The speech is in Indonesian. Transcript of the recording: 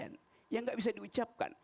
yang enggak bisa diucapkan